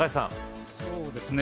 そうですね